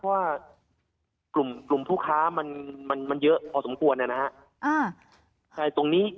เพราะว่ากลุ่มผู้ค้ามันเยอะพอสมควรนะครับ